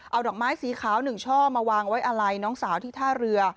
เอาดอกไม้สีขาว๑ช่อมาวางไว้อาลัยน้องสาวที่ท่าเรือ